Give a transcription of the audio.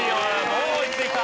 もう追いついた。